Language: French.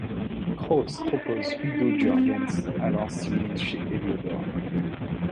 Kraus propose Udo Jürgens, alors signé chez Heliodor.